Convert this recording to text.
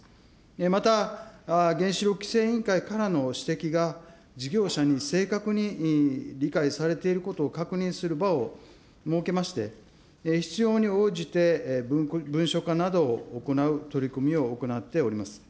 また原子力規制委員会からの指摘が事業者に正確に理解されていることを確認する場を設けまして、必要に応じて文書化などを行う取り組みを行っております。